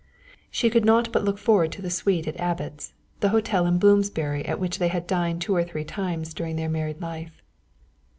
She could not but look forward to the suite at Abbot's, the hotel in Bloomsbury at which they had dined two or three times during their married life.